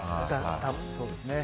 多分そうですね。